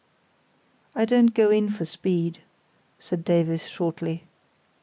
"I don't go in for speed," said Davies, shortly.